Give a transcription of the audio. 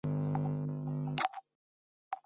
光绪十七年中武举。